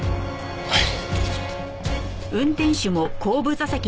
はい。